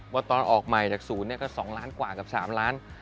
ว่าตอนออกใหม่จากศูนย์ก็๒ล้านกว่ากับ๓ล้าน